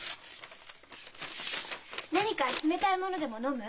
何か冷たい物でも飲む？